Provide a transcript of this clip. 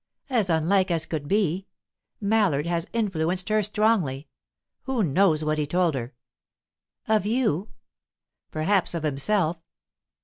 "As unlike as could be. Mallard has influenced her strongly. Who knows what he told her?" "Of you? "Perhaps of himself."